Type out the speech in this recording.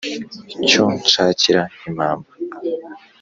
Cyo nshakira impamba